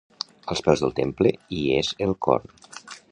Als peus del temple hi és el cor.